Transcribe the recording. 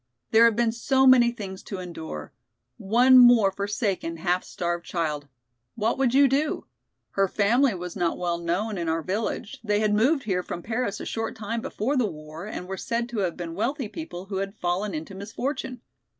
"There have been so many things to endure. One more forsaken, half starved child! What would you do? Her family was not well known in our village; they had moved here from Paris a short time before the war and were said to have been wealthy people who had fallen into misfortune.